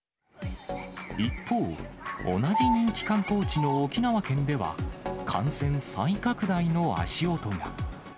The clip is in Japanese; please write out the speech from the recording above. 一方、同じ人気観光地の沖縄県では、感染再拡大の足音が。